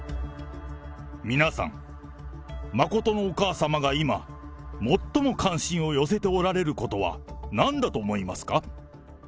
皆さん、真のお母様が今、最も関心を寄せておられることはなんだと思いますか。